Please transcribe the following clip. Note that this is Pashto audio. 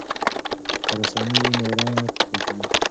که رسامي وي نو رنګ نه پیکه کیږي.